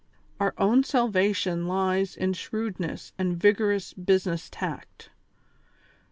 Our only salvation lies in shrewdness and vigorous business tact.